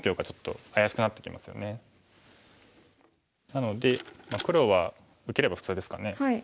なので黒は受ければ普通ですかね。